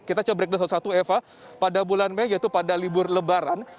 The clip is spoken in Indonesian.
kita coba break dulu satu satu eva pada bulan mei yaitu pada libur lebaran